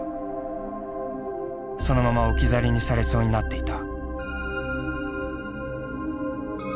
そのまま置き去りにされそうになっていた。